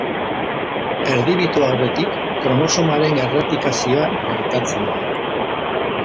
Erdibitu aurretik kromosomaren erreplikazioa gertatzen da.